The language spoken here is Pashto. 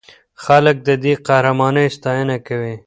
خلک د دې قهرمانۍ ستاینه کوي.